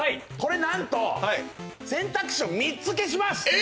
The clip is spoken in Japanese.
これなんと選択肢を３つ消します！